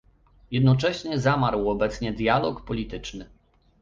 Jednocześnie zamarł obecnie dialog polityczny